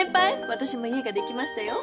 わたしも「家」ができましたよ。